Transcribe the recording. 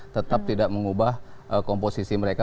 tetap tidak mengubah komposisi mereka